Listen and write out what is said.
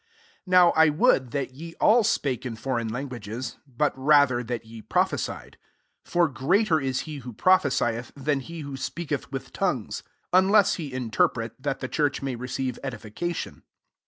5 Now I wrould that ye all spake in./o ^eign languages, but rather that ye prophesied : for greater « he who prophesieth, than he svho speaketh with tongues ; unless he interpret, that the church may receive edification.